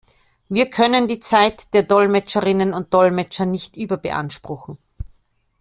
Wir können die Zeit der Dolmetscherinnen und Dolmetscher nicht überbeanspruchen.